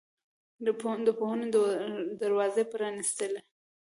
د پوهنو دروازې یې پرانستلې.